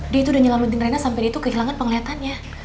dia itu udah nyelamatin rena sampai dia tuh kehilangan penglihatannya